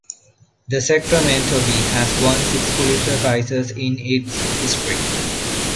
The "Sacramento Bee" has won six Pulitzer Prizes in its history.